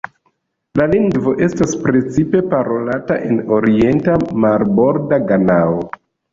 La lingvo estas precipe parolata en orienta marborda Ganao.